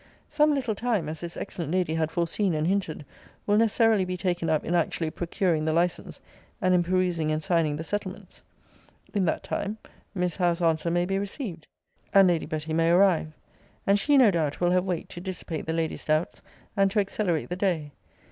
Some little time, as this excellent lady had foreseen and hinted, will necessarily be taken up in actually procuring the license, and in perusing and signing the settlements. In that time Miss Howe's answer may be received; and Lady Betty may arrive; and she, no doubt, will have weight to dissipate the lady's doubts, and to accelerate the day.